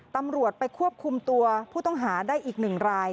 ตำรวจไปควบคุมตัวผู้ต้องหาได้อีก๑ราย